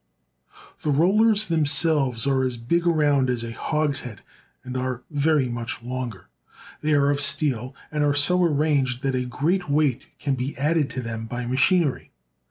The rollers themselves are as big around as a hogshead and are very much longer. They are of steel, and are so arranged that a great weight can be added to them by machinery.